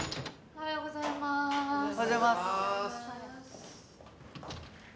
おはようございます。